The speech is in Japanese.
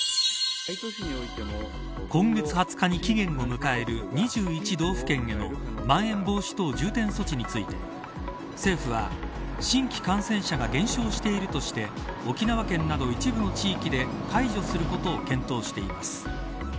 今月２０日に期限を迎える２１道府県へのまん延防止等重点措置について政府は、新規感染者が減少しているとして沖縄県など一部の地域で解除することを検討しています。